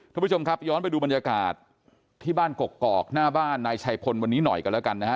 คุณผู้ชมครับย้อนไปดูบรรยากาศที่บ้านกกอกหน้าบ้านนายชัยพลวันนี้หน่อยกันแล้วกันนะฮะ